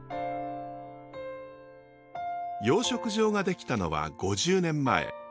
養殖場が出来たのは５０年前。